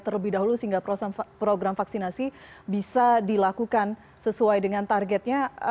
terlebih dahulu sehingga program vaksinasi bisa dilakukan sesuai dengan targetnya